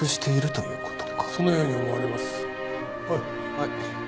はい。